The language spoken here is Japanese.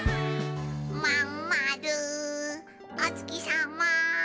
「まんまるおつきさま」